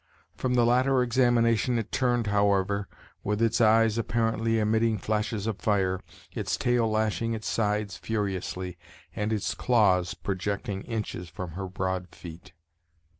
From the latter examination it turned, however, with its eyes apparently emitting flashes of fire, its tail lashing its sides furiously, and its claws projecting inches from her broad feet.